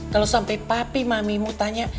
kalau sampai papi mamimu tanya